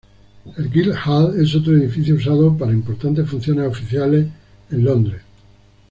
El Guildhall es otro edificio usado para importantes funciones oficiales en Londres.